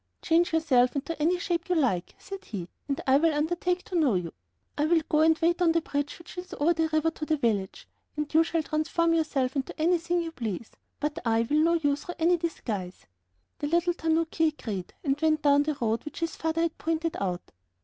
"Change yourself into any shape you like," said he, "and I will undertake to know you. I will go and wait on the bridge which leads over the river to the village, and you shall transform yourself into anything you please, but I will know you through any disguise." The little tanuki agreed, and went down the road which his father had pointed out.